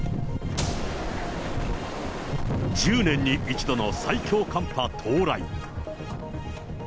１０年に一度の最強寒波到来。